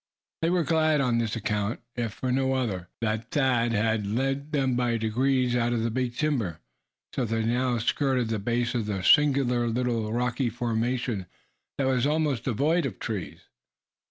They were glad on this account, if for no other, that Thad had led them by degrees out of the big timber, so that they now skirted the base of the singular little rocky elevation that was almost devoid of trees.